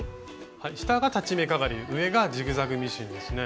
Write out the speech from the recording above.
下が裁ち目かがり上がジグザグミシンですね。